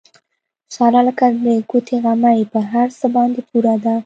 ساره لکه د ګوتې غمی په هر څه باندې پوره ده.